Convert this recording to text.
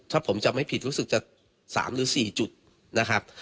ถ้าผมจำไม่ผิดรู้สึกจะ๓หรือ๔จุดนะครับ